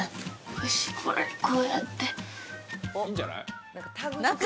よしこれこうやって。